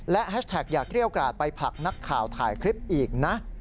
และแฮชแท็กอย่าเกรี้ยวกราดไปผลักนักข่าวถ่ายคลิปอีกนะ